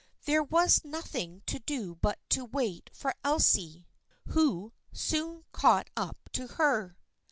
There was nothing to do but wait for Elsie, who soon caught up to her.